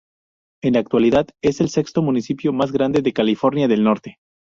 En la actualidad, es el sexto municipio más grande de Carolina del Norte.